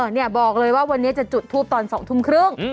เนี่ยบอกเลยว่าวันนี้จะจุดทูปตอน๒ทุ่มครึ่ง